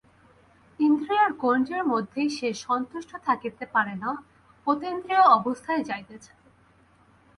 ইন্দ্রিয়ের গণ্ডীর মধ্যেই সে সন্তুষ্ট থাকিতে পারে না, অতীন্দ্রিয় অবস্থায় যাইতে চায়।